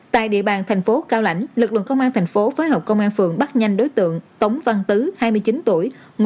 tại địa bàn thành phố cao lãnh lực lượng công an thành phố phối hợp công an phường bắt nhanh đối tượng tống văn tứ hai mươi chín tuổi